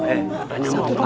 eh katanya mau lebih parah